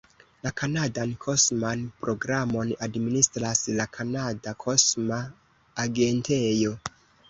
La kanadan kosman programon administras la Kanada Kosma Agentejo.